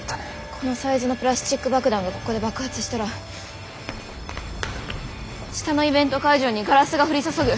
このサイズのプラスチック爆弾がここで爆発したら下のイベント会場にガラスが降り注ぐ。